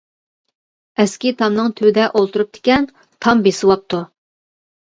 -ئەسكى تامنىڭ تۈۋىدە ئولتۇرۇپتىكەن، تام بېسىۋاپتۇ.